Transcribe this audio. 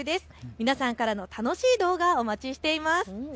皆さんからの楽しい動画お待ちしています。